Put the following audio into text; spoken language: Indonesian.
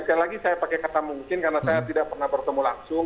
sekali lagi saya pakai kata mungkin karena saya tidak pernah bertemu langsung